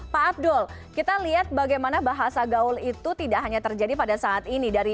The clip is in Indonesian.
pak abdul kita lihat bagaimana bahasa gaul itu tidak hanya terjadi pada saat ini